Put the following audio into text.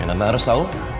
yang tante harus tau